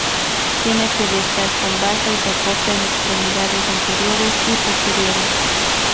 Tiene pedestal con basa y soporte en extremidades anteriores y posteriores.